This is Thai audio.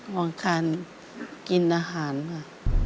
ระวังการกินอาหารค่ะ